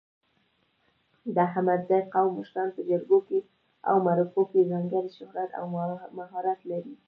د احمدزي قوم مشران په جرګو او مرکو کې ځانګړی شهرت او مهارت لري.